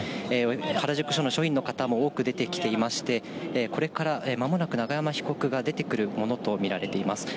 原宿署の署員の方も多く出てきていまして、これからまもなく永山被告が出てくるものと見られています。